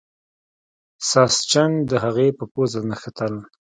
ساسچن د هغې په پوزه نښتل.